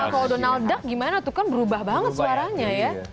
kalau donald duck gimana tuh kan berubah banget suaranya ya